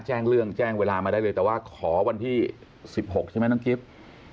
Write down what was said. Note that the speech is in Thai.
แจ้งเรื่องแจ้งเวลามาได้เลยแต่ว่าขอวันที่๑๖ใช่ไหมน้องกิฟต์